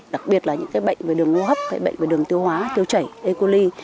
đặc biệt là những cái bệnh về đường ngu hấp bệnh về đường tiêu hóa tiêu chảy e coli